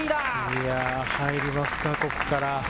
いや入りますか、ここから。